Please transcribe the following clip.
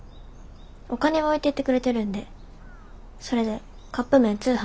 お金は置いてってくれてるんでそれでカップ麺通販してます。